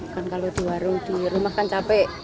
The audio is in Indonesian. kan kalau di warung di rumah kan capek